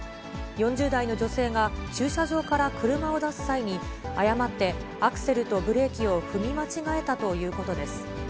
４０代の女性が、駐車場から車を出す際に、誤ってアクセルとブレーキを踏み間違えたということです。